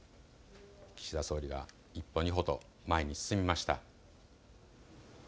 岸田総理が１歩、２歩と前に進みました。